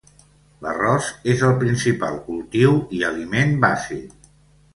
L'arròs és el principal cultiu i aliment bàsic.